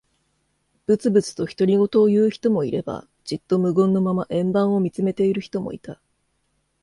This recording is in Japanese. ぶつぶつと独り言を言う人もいれば、じっと無言のまま円盤を見つめている人もいた。